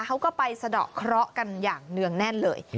เขาก็ไปสะดอกเคราะห์กันอย่างเนื่องแน่นเลย